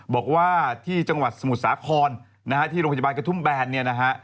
บอกว่าที่จังหวัดสมุทรสาครนะฮะที่โรงพยาบาลกระทุ่มแบนเนี่ยนะฮะ